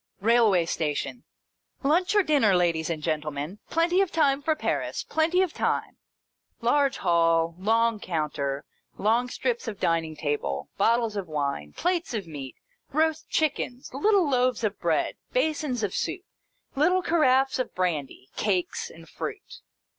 Railway station. " Lunch or dinner, ladies and gentlemen. Plenty of time for Paris. Plenty of time !" Large hall, long counter, long strips of dining table, bottles of wine, plates of meat, roast chickens, little loaves of bread, basins of soup, little caraffes of brandy, cakes, and fruit.